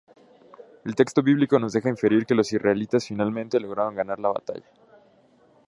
El texto bíblico nos deja inferir que los israelitas finalmente lograron ganar la batalla.